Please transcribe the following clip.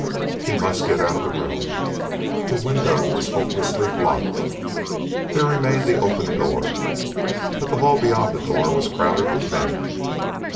He must get out of the room. The window was hopelessly blocked. There remained the open door, but the hall beyond the door was crowded with men.